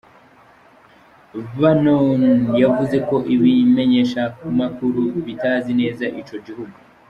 Bannon yavuze ko ibimenyeshamakuru "bitazi neza ico gihugu".